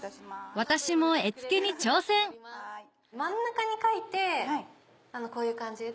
私も絵付けに挑戦真ん中に描いてこういう感じで。